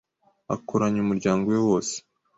akoranya umuryango we wose